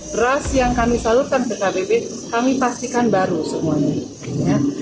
beras yang kami salurkan ke kpp kami pastikan baru semuanya